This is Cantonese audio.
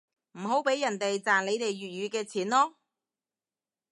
唔好畀人哋賺你哋粵語嘅錢囉